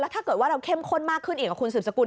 ถ้าเกิดว่าเราเข้มข้นมากขึ้นอีกกับคุณสืบสกุล